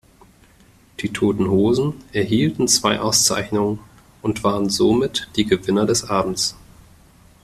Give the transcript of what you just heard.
Die Toten Hosen erhielten zwei Auszeichnungen und waren somit die Gewinner des Abends.